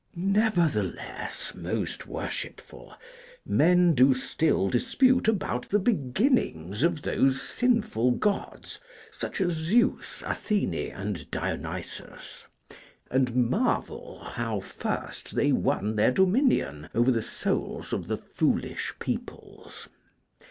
Nevertheless, most worshipful, men do still dispute about the beginnings of those sinful Gods: such as Zeus, Athene, and Dionysus: and marvel how first they won their dominion over the souls of the foolish peoples.